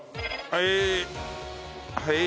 はい。